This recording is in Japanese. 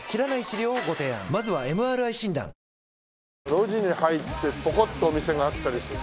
路地に入ってポコッとお店があったりする。